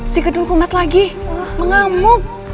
si gedung kumat lagi mengamuk